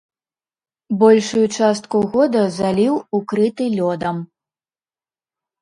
Большую частку года заліў укрыты лёдам.